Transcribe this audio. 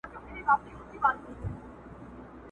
د ښکاریانو په وطن کي سمه شپه له کومه راړو!